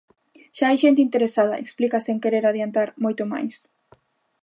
"Xa hai xente interesada", explica sen querer adiantar moito máis.